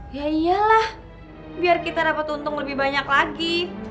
ya iyalah biar kita dapat untung lebih banyak lagi